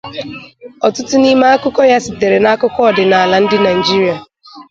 Ọtụtụ n’ime akụkọ ya sitere na akụkọ ọdịnala ndị Naịjirịa.